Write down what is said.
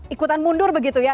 ikutan mundur begitu ya